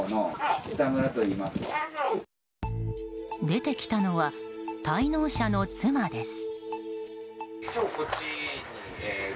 出てきたのは滞納者の妻です。